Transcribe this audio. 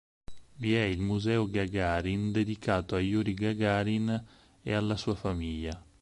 Vi è il museo Gagarin dedicato a Jurij Gagarin e alla sua famiglia.